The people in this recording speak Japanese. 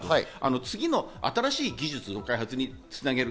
次の新しい技術の開発につなげる。